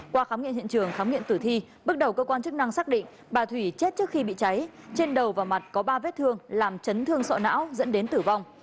qua khám nghiệm hiện trường khám nghiệm tử thi bước đầu cơ quan chức năng xác định bà thủy chết trước khi bị cháy trên đầu và mặt có ba vết thương làm chấn thương sọ não dẫn đến tử vong